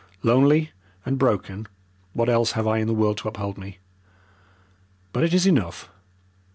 Lonely and broken, what else have I in all the world to uphold me? But it is enough.